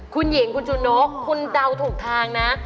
คุณหญิงคุณจูนกคุณเดาถูกทางนะ